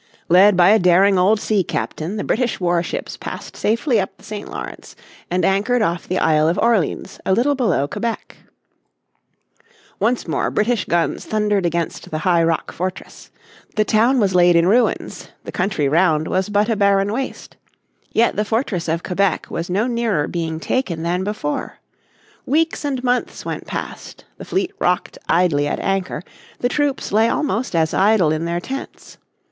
Led by a daring old sea captain the British war ships passed safely up the St. Lawrence and anchored off the Isle of Orleans a little below Quebec. Once more British guns thundered against the high rock fortress. The town was laid in ruins, the country round was but a barren waste. Yet the fortress of Quebec was no nearer being taken than before. Weeks and months went past, the fleet rocked idly at anchor, the troops lay almost as idle in their tents.